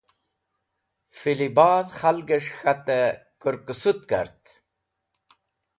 Filibadh khalges̃h k̃hatẽ kẽrkesũt kart.